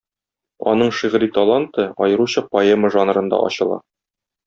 Аның шигъри таланты аеруча поэма жанрында ачыла.